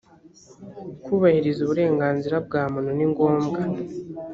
kubahiriza uburenganzira bwa muntu ni ngombwa